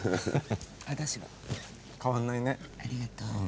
ありがとう。